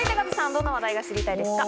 どの話題が知りたいですか？